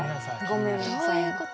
どういうこと？